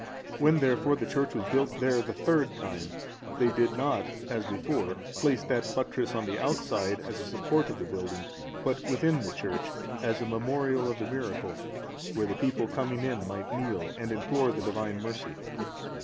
When therefore the church was built there the third time, they did not, as before, place that buttress on the outside as a support of the building, but within the church, as a memorial of the miracle; where the people coming in might kneel, and implore the Divine mercy.